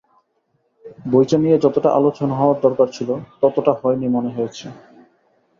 বইটা নিয়ে যতটা আলোচনা হওয়ার দরকার ছিল, ততটা হয়নি মনে হয়েছে।